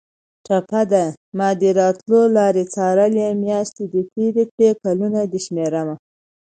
ټپه ده: مادې راتلو لارې څارلې میاشتې دې تېرې کړې کلونه دې شمارمه